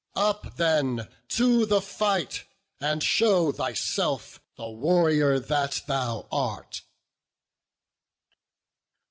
Up then to the fight, And show thyself the warrior that thou art."